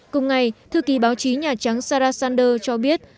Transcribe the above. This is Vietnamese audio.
cùng ngày thư ký báo chí nhà trắng sarah sanders cho biết